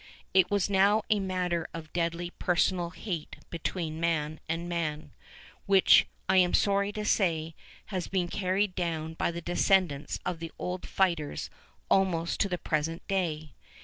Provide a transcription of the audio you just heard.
It was now a matter of deadly personal hate between man and man, which, I am sorry to say, has been carried down by the descendants of the old fighters almost to the present day.